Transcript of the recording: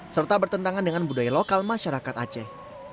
serta bertentangan dengan budaya lokal masyarakat aceh